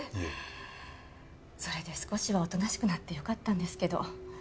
それで少しはおとなしくなってよかったんですけど。